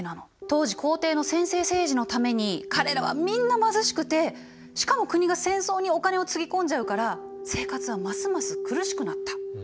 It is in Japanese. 当時皇帝の専制政治のために彼らはみんな貧しくてしかも国が戦争にお金をつぎ込んじゃうから生活はますます苦しくなった。